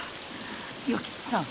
与吉さん